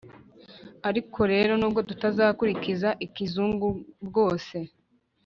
ariko rero n’ubwo tutazakurikiza ikizungu bwose,